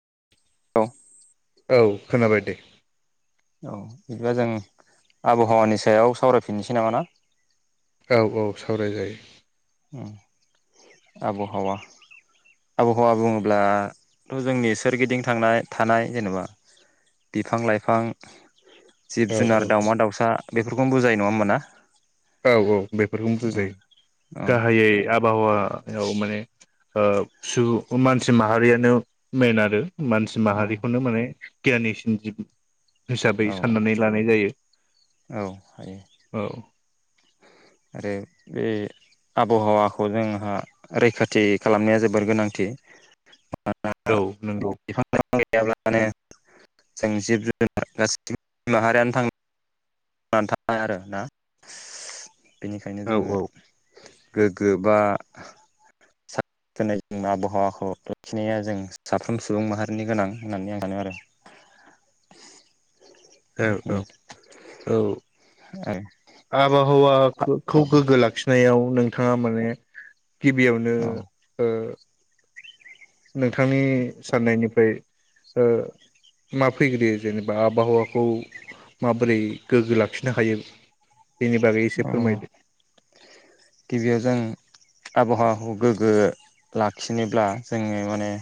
[inaudible] औ औ खोनाबाय दे औ बिदिबा जों आबहावानि सायाव सावरायफिननोसै नामा ना औ औ सावराय जायो उम आबहावा आबहावा बुङोब्लाथ जोंनि सोरगिदिं थांनाय थानाय जेनेबा बिफां लाइफां जिब औ जुनार दाउमा दाउसा बेफोरखौनो बुजायो नङा होमबाना औ औ बेफोरखौनो बुजायो औ गाहायै आबहावायाव माने ओ सुबुं मानसि माहारियानो मेन आरो मानसि औ माहारिखौनो माने गियानिसिन जिब हिसाबै औ साननानै लानाय जायो औ हायो औ आरो बे आबहावाखौ जोंहा रैखाथि खालामनाया जोबोर गोनांथि औ नंगौ बिफां गैयाब्लानो जों जिब-जुनार [unintelligible] माहारियानो थां [unintelligible] आरो ना बेनिखायनो औ जोङो गोख गोबा दिनै जों आबहावाखौ लाखिनाया जों साफ्रोम सुबुं माहारिनि गोनां होननानै आं सानो आरो। औ औ बेखिनि औ आरो आबहावाखौ गोग्गो लाखिनायाव नोंथाङा माने गिबियावनो औ ओ नोंथांनि साननायनिफ्राय ओ मा फैग्रोयो जेनेबा आबहावाखौ माबोरै गोग्गो लाखिनो हायो? बेनि बागै अ एसे फोरमायदो। गिबियाव जों आबहावाखौ गोग्गो लाखिनोब्ला जोङो माने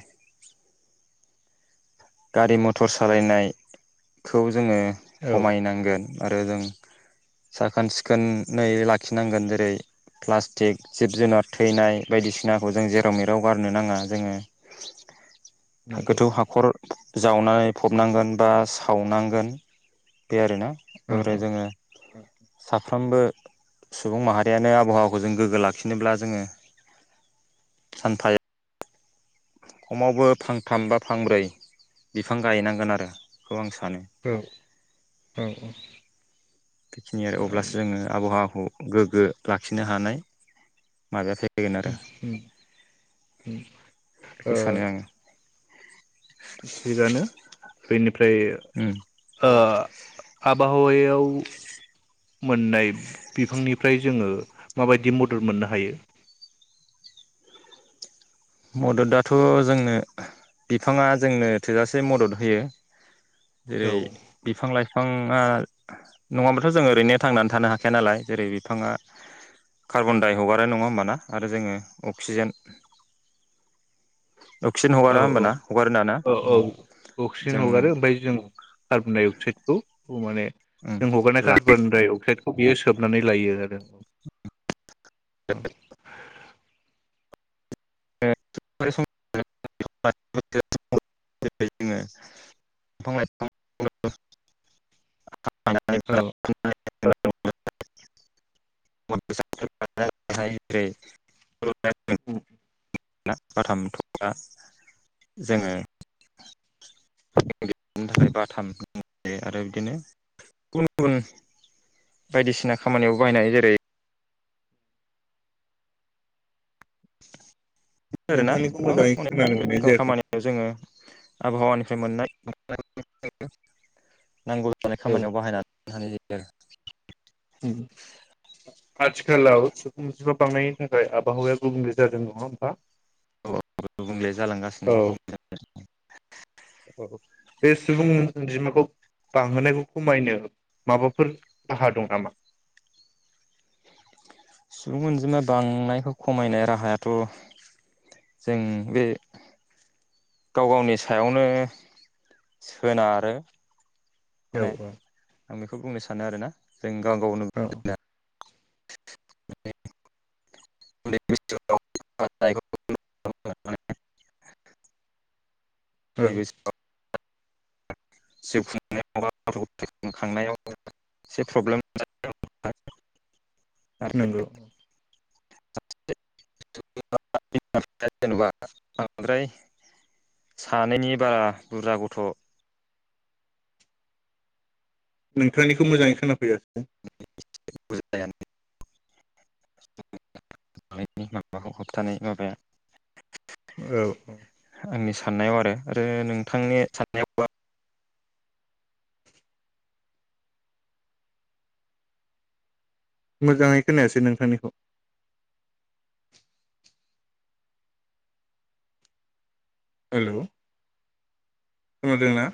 गारि मथर सालायनायखौ जोङो औ खमायनांगोन आरो जों साखोन-सिखोनै लाखिनांगोन जेरै प्लास्टिक जिब जुनार थैनाय बायदिसिनाखौ जों जेराव मेराव गारनो नाङा जोङो नंगौ गोथौ हाखर जावनानै फबनांगोन बा सावनांगोन बे आरोना औ ओरै औ जोङो साफ्रोमबो सुबुं माहारियानो आबहावाखौ जों गोग्गो लाखिनोब्ला जोङो सानफायाव खमावबो फांथाम बा फांब्रै बिफां गायनांगोन आरोखौ आं सानो। औ औ औ बेखिनि आरो अब्लासो जोङो आबहावा खौ गोगो लाखिनो हानाय माबाया फै [inaudible] बेखौ सानो ओ आङो बिनि ओमफ्राय उम ओ आब हायाव मोननाय बिफांनिफ्राय जोङो माबायदि मदद मोननो हायो? मददाथ' जोंनो बिफाङा जोंनो थोजासे मदद होयो जेरै औ बिफां-लाइफ फांआ नङाबाथ' जों ओरैनो थांनानै थानो हाखाया नालाय जेरै बिफाङा कार्बन-डाइ हगारो नङा होमबाना आरो जोङो अक्सिजेन अक्सिजेन हगारा औ औ होमबाना हगारो दाना औ औ अक्सिजेन जों हगारो ओमफ्राय जों कार्बन डाइ अक्साइदखौ माने उम जों हगारनाय ला कार्बन डाइ अक साइद खौ बियो सोबनानै लायो आरो औ ओ [unintelligible] बिफां लाइफां [unintelligible] औ [unintelligible] उम ना बाथाम थथा जोङो [unintelligible] थाखाय बाथाम आरो बिदिनो गुबुन गुबुन बायदिसिना खामानियावबो बाहायनो हायो जेरै आरोना नोंथांनिखौ गोबां मोजाङै खोनानो मोननाय अनेक जायाखै। खामानियाव जोङो आबहावानिफ्राय मोननाय [unintelligible] नांगौ जानाय खामानियाव बाहायनानै [unintelligible] उ आथिखालाव सुबुं अनजिमा बांनायनि थाखाय आबहावाया गुबुंले जादों नङा होमबा? गुबुंले जालांगासिनो औ गुबुं [inaudible] औ बे सुबुं अनजिमाखौ बांहोनायखौ खमायनो माबाफोर राहा दं नामा? सुबुं अनजिमा बांनायखौ खमायनाय राहायाथ जों बे गाव गावनि सायावनो सोनारो। औ माने औ आं बेखौ बुंनो सानो आरोना जों गाव गावनो औ [unintelligible] [unintelligible] औ जिउ खुंनायाव गथ गथाय खांनायाव एसे प्रब्लेम [unintelligible] नोंगौ [unintelligible] बांद्राय सानैनि बारा बुरजा गथ नोंथांनिखौ मोजाङै खोनाफैयाखै। [unintelligible] [unintelligible] माबाखौ होबथानाय माबाया औ औ आंनि साननायाव आरो आरो नोंथांनि साननायावबा मोजाङै खोनायासै नोंथांनिखौ हेलौ खोनादोंना?